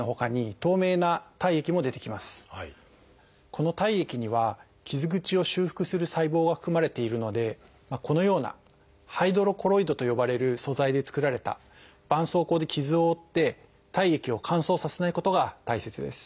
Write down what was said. この体液には傷口を修復する細胞が含まれているのでこのような「ハイドロコロイド」と呼ばれる素材で作られたばんそうこうで傷を覆って体液を乾燥させないことが大切です。